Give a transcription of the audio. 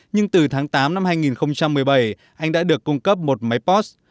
nhưng từ tháng tám năm hai nghìn một mươi bảy anh đã được cung cấp một máy post